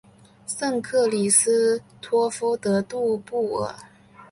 圣克里斯托夫德杜布尔。